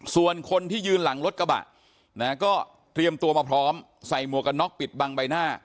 ส่วนคนที่ยืนหลังรถกระบะนะก็เตรียมตัวมาพร้อมใส่หมวกกันน็อกปิดบังใบหน้า